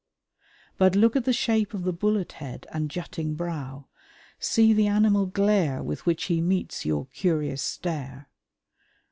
But look at the shape of the bullet head and jutting brow! See the animal glare with which he meets your curious stare!